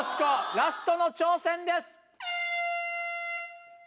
ラストの挑戦です。